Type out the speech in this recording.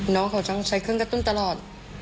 น้องเขาต้องใช้เครื่องกระตุ้นตลอด